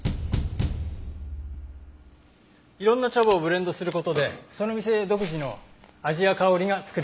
いろんな茶葉をブレンドする事でその店独自の味や香りが作れるんです。